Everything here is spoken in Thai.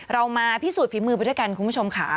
เรามาพิสูจน์ฝีมือไปด้วยกันคุณผู้ชมค่ะ